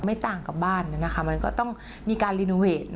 ไม่ต่างกับบ้านนะคะมันก็ต้องมีการรีนูเวท